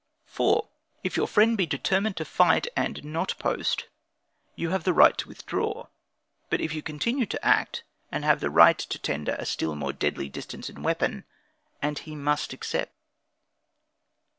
4. If your friend be determined to fight and not post, you have the right to withdraw. But if you continue to act, and have the right to tender a still more deadly distance and weapon, and he must accept.